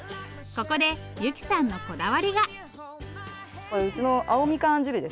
ここで由貴さんのこだわりが。